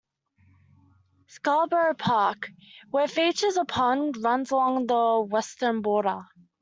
Scarborough Park, which features a pond, runs along the western border.